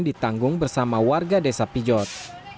ditanggung bersama warga desa pijot